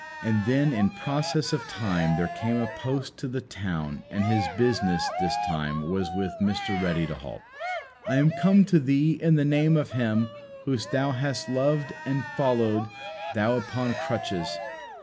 And then in process of time there came a post to the town and his business this time was with Mr. Ready to halt. "I am come to thee in the name of Him whom thou hast loved and followed, though upon crutches.